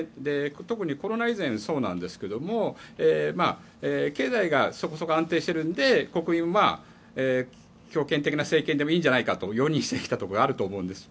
特にコロナ以前はそうなんですが経済がそこそこ安定しているので国民は強権的な政権でもいいんじゃないかと容認してきたところがあると思うんです。